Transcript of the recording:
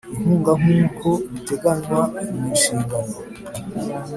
inkunga nkuko biteganywa mu nshingano